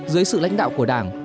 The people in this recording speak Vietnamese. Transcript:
dưới sự lãnh đạo của đảng